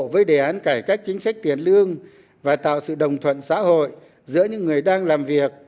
với đề án cải cách chính sách tiền lương và tạo sự đồng thuận xã hội giữa những người đang làm việc